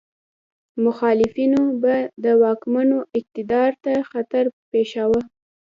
مخالفینو به د واکمنو اقتدار ته خطر پېښاوه.